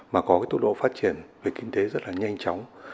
mà có cái tốc độ phát triển về kinh tế rất là nhanh chóng